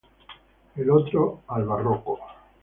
El otro al barroco.